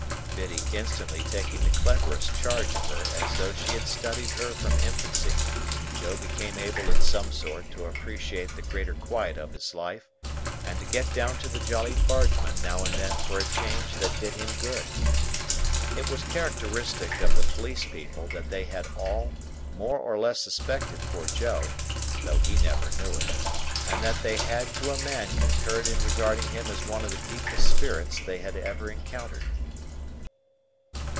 Biddy instantly taking the cleverest charge of her as though she had studied her from infancy; Joe became able in some sort to appreciate the greater quiet of his life, and to get down to the Jolly Bargemen now and then for a change that did him good. It was characteristic of the police people that they had all more or less suspected poor Joe (though he never knew it), and that they had to a man concurred in regarding him as one of the deepest spirits they had ever encountered.